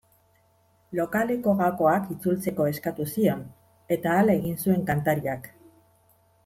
Lokaleko gakoak itzultzeko eskatu zion, eta hala egin zuen kantariak.